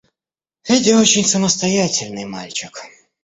Федя очень самостоятельный мальчик.